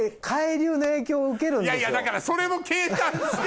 いやいやだからそれも計画して！